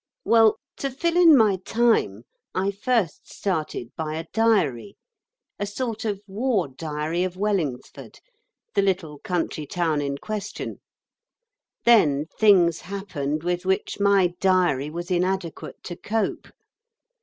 Well, to fill in my time, I first started by a diary a sort of War Diary of Wellingsford, the little country town in question. Then things happened with which my diary was inadequate to cope.